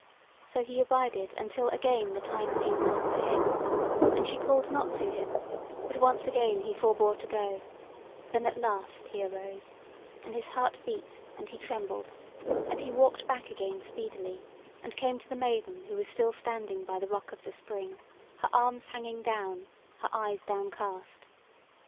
So he abided until again the time seemed long to him, and she called not to him: but once again he forbore to go; then at last he arose, and his heart beat and he trembled, and he walked back again speedily, and came to the maiden, who was still standing by the rock of the spring, her arms hanging down, her eyes downcast.